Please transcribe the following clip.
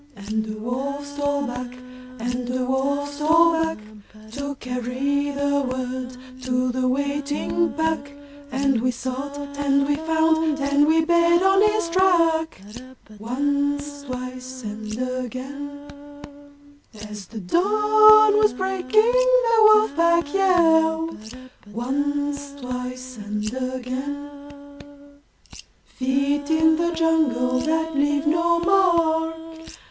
And a wolf stole back, and a wolf stole back To carry the word to the waiting pack, And we sought and we found and we bayed on his track Once, twice and again! As the dawn was breaking the Wolf Pack yelled Once, twice and again! Feet in the jungle that leave no mark!